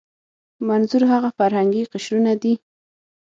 منظور هغه فرهنګي قشرونه دي.